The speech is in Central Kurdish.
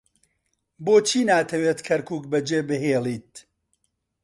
بۆچی ناتەوێت کەرکووک بەجێبهێڵێت؟